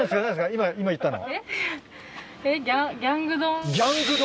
今言ったの。